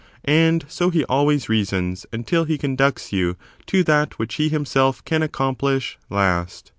And so he always reasons, until he conducts you to that which he himself can accomplish last.